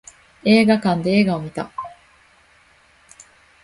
映画館で映画を見た